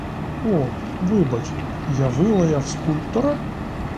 О, вибач, я вилаяв скульптора?